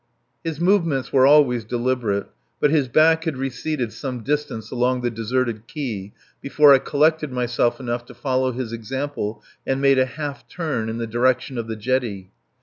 His movements were always deliberate, but his back had receded some distance along the deserted quay before I collected myself enough to follow his example and made a half turn in the direction of the jetty.